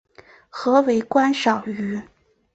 可为观赏鱼。